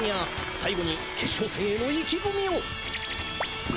最後に決勝戦への意気込みを！